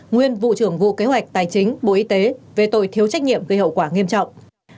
nguyên vụ trưởng vụ kế hoạch tài chính bộ y tế về tội thiếu trách nhiệm gây hậu quả nghiêm trọng